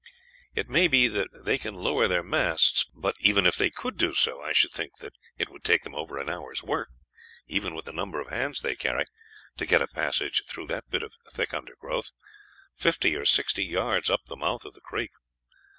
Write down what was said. It may be that they can lower their masts; but even if they could do so, I should think that it would take them over an hour's work, even with the number of hands they carry, to get a passage through that bit of thick undergrowth, fifty or sixty yards up the mouth of the creek.